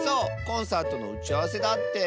コンサートのうちあわせだって。